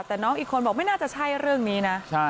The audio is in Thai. แต่น้องอีกคนบอกไม่น่าจะใช่เรื่องนี้นะ